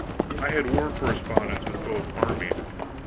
I had war correspondents with both armies.